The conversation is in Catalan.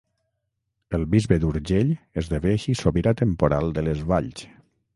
El bisbe d'Urgell esdevé així sobirà temporal de les valls.